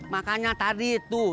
makanya tadi tuh